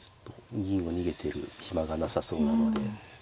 銀を逃げてる暇がなさそうなので。